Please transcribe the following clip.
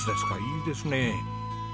いいですねえ。